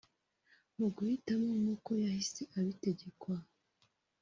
Mu guhitamo nkuko yahise abitegekwa